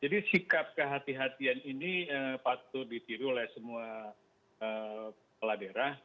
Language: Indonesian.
jadi sikap kehati hatian ini patut ditiru oleh semua peladera